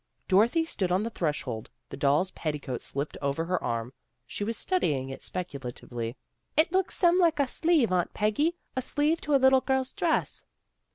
Dorothy stood on the threshold, the doll's petticoat slipped over her arm. She was studying it speculatively. " It looks some like a sleeve, Aunt Peggy. A sleeve to a little girl's dress."